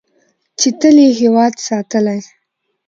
چې تل یې هیواد ساتلی.